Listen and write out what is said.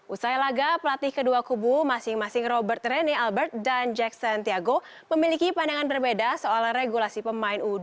usai laga pelatih kedua kubu masing masing robert rene albert dan jackson tiago memiliki pandangan berbeda soal regulasi pemain u dua puluh